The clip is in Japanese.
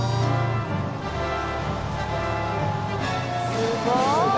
すごい！